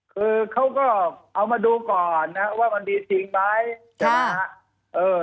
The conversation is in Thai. คือเขาก็เอามาดูก่อนว่ามันมีจริงไหม